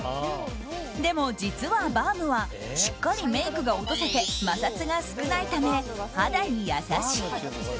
でも実はバームはしっかりメイクが落せて摩擦が少ないため肌に優しい。